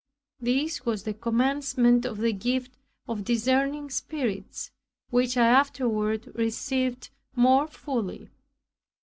This was the commencement of the gift of discerning spirits, which I afterward received more fully.